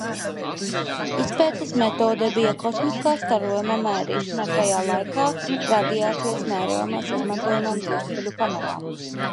Izpētes medode bija kosmiskā starojuma mērīšana ar tajā laikā radiācijas mērījumos izmantotajām dzirksteļu kamerām.